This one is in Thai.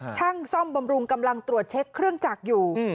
ช่างซ่อมบำรุงกำลังตรวจเช็คเครื่องจักรอยู่